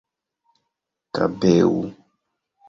kabeu